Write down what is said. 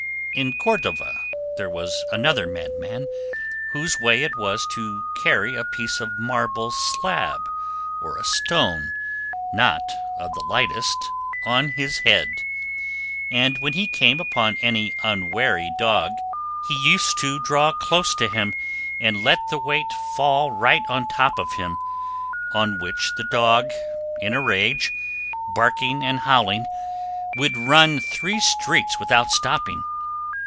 In Cordova there was another madman, whose way it was to carry a piece of marble slab or a stone, not of the lightest, on his head, and when he came upon any unwary dog he used to draw close to him and let the weight fall right on top of him; on which the dog in a rage, barking and howling, would run three streets without stopping.